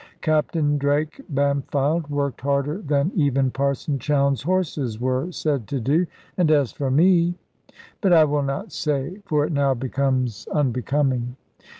Captain Drake Bampfylde worked harder than even Parson Chowne's horses were said to do; and as for me but I will not say, for it now becomes unbecoming.